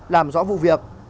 làm rõ vụ việc